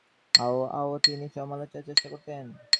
তিনি তার সমালোচনায় তাদের মতাদর্শ অনুসরণের চেষ্টা করতেন।